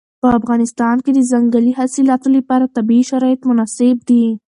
په افغانستان کې د ځنګلي حاصلاتو لپاره طبیعي شرایط مناسب دي.